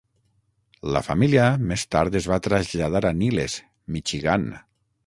La família més tard es va traslladar a Niles, Michigan.